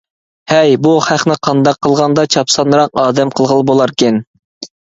ھەي، بۇ خەقنى قانداق قىلغاندا چاپسانراق ئادەم قىلغىلى بولاركىن!